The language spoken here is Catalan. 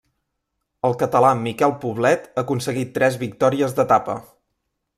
El català Miquel Poblet aconseguí tres victòries d'etapa.